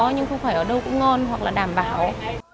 nhưng không phải ở đâu cũng ngon hoặc là đảm bảo